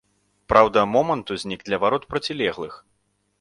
Праўда, момант узнік ля варот процілеглых.